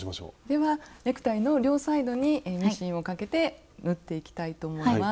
ではネクタイの両サイドにミシンをかけて縫っていきたいと思います。